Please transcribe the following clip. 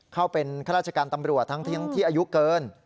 เข้าเป็นข้าราชการตำรวจทั้งที่อายุเกิน